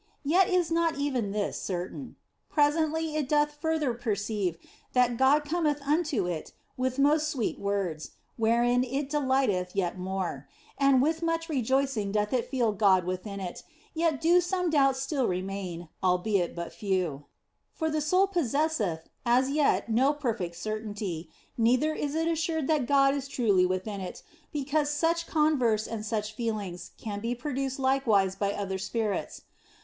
Yet is not even this certain. Presently it doth further perceive that God cometh unto it with most sweet words, wherein it delighteth yet more, and with much rejoicing doth it feel God within it ; yet do some doubts THE BLESSED ANGELA OF FOLIGNO 25 still remain, albeit but few. For the soul possesseth as yet no perfect certainty, neither is it assured that God is truly within it, because such converse and such feelings can be produced likewise by other spirits.